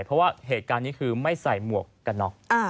เพราะว่าเหตุการณ์นี้คือไม่ใส่หมวกกันน็อก